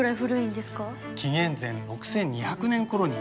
紀元前６２００年ごろに。